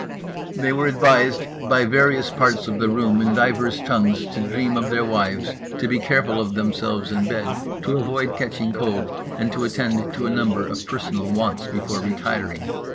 They were advised by various parts of the room in divers tongues to dream of their wives, to be careful of themselves in bed, to avoid catching cold, and to attend to a number of personal wants before retiring.